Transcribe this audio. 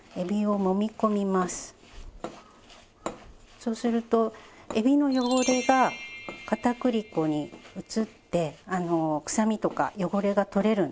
そうするとエビの汚れが片栗粉に移って臭みとか汚れが取れるんですね。